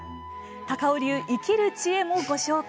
高尾流生きる知恵もご紹介します。